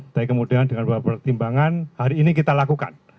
tapi kemudian dengan beberapa pertimbangan hari ini kita lakukan